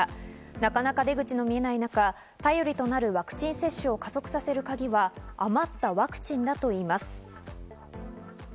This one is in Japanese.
なかなか出口の見えない中、頼りとなるワクチン接種を加速させるカギは余ったワクチンだといいます。